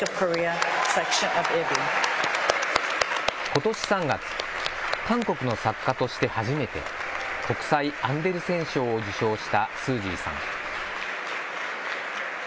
ことし３月、韓国の作家として初めて、国際アンデルセン賞を受賞したスージーさん。